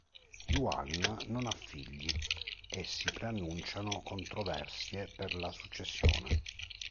Yuan non ha figli, e si preannunciano controversie per la successione.